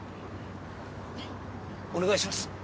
お願いします。